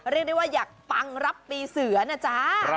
เรียกได้ว่าอยากปังรับปีเสือนะจ๊ะ